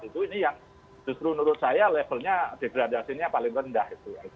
itu ini yang justru menurut saya levelnya degradasinya paling rendah